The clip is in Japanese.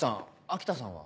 秋田さんは？